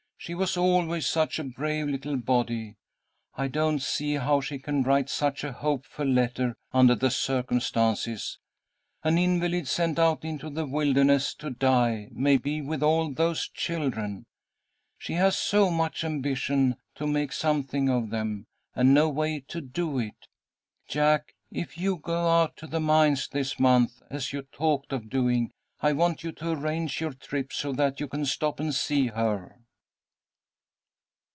"She was always such a brave little body. I don't see how she can write such a hopeful letter under the circumstances, an invalid sent out into the wilderness to die, maybe, with all those children. She has so much ambition to make something of them, and no way to do it. Jack, if you go out to the mines this month, as you talked of doing, I want you to arrange your trip so that you can stop and see her."